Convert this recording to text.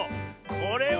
これは。